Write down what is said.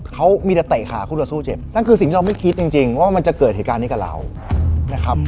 เขามีแต่เตะขาคู่ต่อสู้เจ็บนั่นคือสิ่งที่เราไม่คิดจริงว่ามันจะเกิดเหตุการณ์นี้กับเรานะครับ